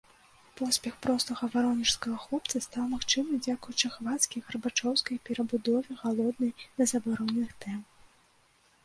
Поспех простага варонежскага хлопца стаў магчымы дзякуючы хвацкі гарбачоўскай перабудове, галоднай да забароненых тэм.